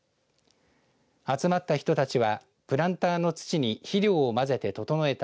集まった人たちはプランターの土に肥料を混ぜて整えた